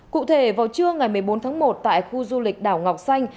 cụ thể vào trưa ngày một mươi bốn tháng một tại khu du lịch đảo ngọc xanh